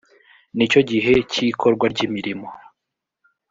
nicyo gihe cy’ ikorwa ry’ imirimo